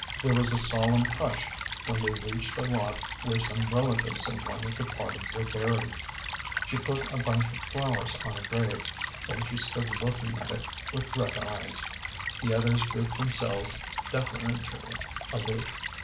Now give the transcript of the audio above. There was a solemn hush when they reached a lot where some relatives of one of the party were buried. She put a bunch of flowers on a grave, then she stood looking at it A GENTLE GHOST. 235 with red eyes. The others grouped themselves deferentially aloof.